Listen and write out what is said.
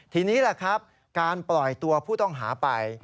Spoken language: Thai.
ทีนี้แหละครับการปล่อยตัวผู้ต้องหาไป